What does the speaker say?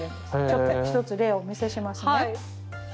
ちょっと一つ例をお見せしますね。